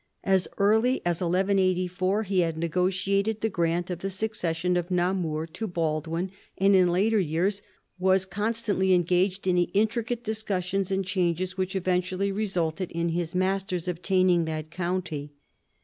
As early as 1184 he had negotiated the grant of the succession of Namur to Baldwin, and in later years was constantly engaged in the intricate discussions and changes which eventually resulted in his master's obtaining that county.